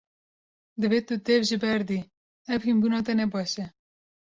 Divê tu dev jê berdî, ev hînbûna te ne baş e.